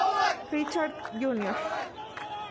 Richard Jr.